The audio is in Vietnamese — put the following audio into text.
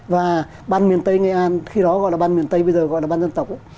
và ban miền tây nghệ an khi đó gọi là ban miền tây bây giờ gọi là ban dân tộc ấy